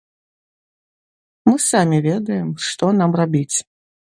Мы самі ведаем, што нам рабіць.